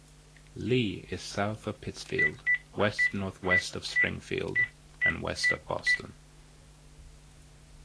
Lee is south of Pittsfield, west-northwest of Springfield, and west of Boston.